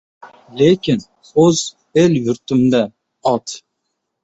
Lekin — o‘z el-yurtimda ot!